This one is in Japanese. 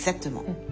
うん。